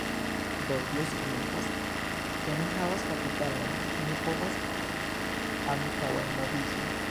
Do, tio signifas, ke ni havas kapitalon ni povas antaŭenmoviĝi